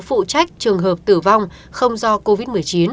phụ trách trường hợp tử vong không do covid một mươi chín